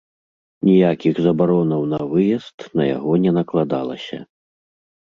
Ніякіх забаронаў на выезд на яго не накладалася.